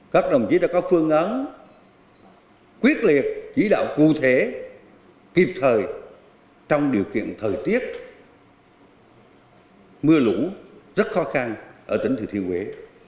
các đồng chí đã có phương án quyết liệt chỉ đạo cụ thể kịp thời trong điều kiện thời tiết mưa lũ rất khó khăn ở tỉnh thừa thiên huế